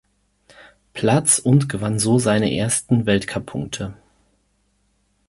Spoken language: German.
Platz und gewann so seine ersten Weltcup-Punkte.